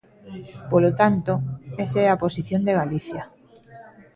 Polo tanto, esa é a posición de Galicia.